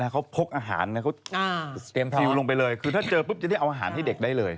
เขาพกอาหารเขาเตรียมซิลลงไปเลยคือถ้าเจอปุ๊บจะได้เอาอาหารให้เด็กได้เลย